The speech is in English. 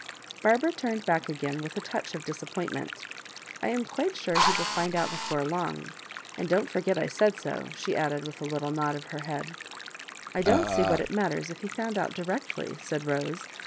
Barbara turned back again with a touch of disappointment. *' I am quite sure he will find out before long; an<1 don't forget I said so," she added, with a litth nod of her head. '' I dob't see what it matters if he found out directly," said Rose.